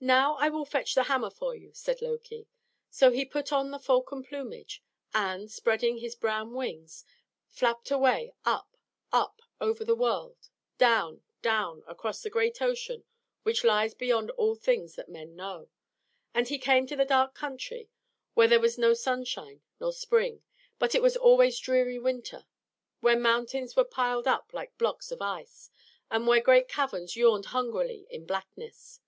"Now will I fetch the hammer for you," said Loki. So he put on the falcon plumage, and, spreading his brown wings, flapped away up, up, over the world, down, down, across the great ocean which lies beyond all things that men know. And he came to the dark country where there was no sunshine nor spring, but it was always dreary winter; where mountains were piled up like blocks of ice, and where great caverns yawned hungrily in blackness.